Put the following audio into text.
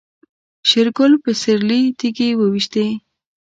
شېرګل په سيرلي تيږې وويشتې.